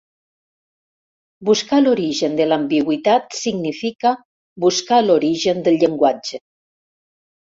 Buscar l'origen de l'ambigüitat significa buscar l'origen del llenguatge.